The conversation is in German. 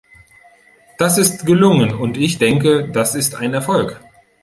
Das ist gelungen und ich denke, das ist ein Erfolg.